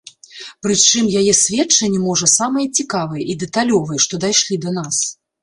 Прычым яе сведчанні, можа, самыя цікавыя і дэталёвыя, што дайшлі да нас.